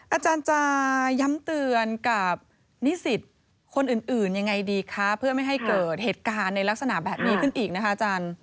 อาจารย์จะย้ำเตือนกับนิสิตคนอื่นยังไงดีคะเพื่อไม่ให้เกิดเหตุการณ์ในลักษณะแบบนี้ขึ้นอีกนะคะอาจารย์